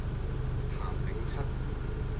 鹹檸七